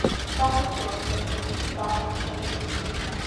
საქართველოს რესპუბლიკის სახელმწიფო მინისტრი.